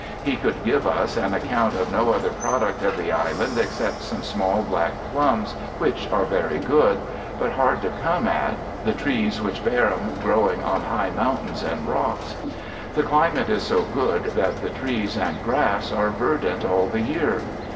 He could give us an account of no other product of the Island except some small black plums, which are very good, but hard to come at, the trees which bear *em growing on high mountains and rocks. The climate is so good that the trees and grass are verdant all the year.